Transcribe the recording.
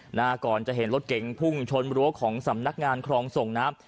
หน้าก่อนจะเห็นรถเก๋งพุ่งชนรั้วของสำนักงานครองส่งน้ำ